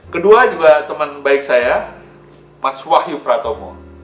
kedua juga teman baik saya mas wahyu pratomo